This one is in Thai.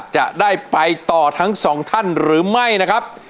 จะได้ไปต่อทั้งสองท่านหรือไม่นะครับ